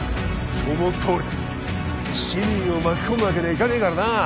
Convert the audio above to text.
そのとおりだ市民を巻き込むわけにはいかないからな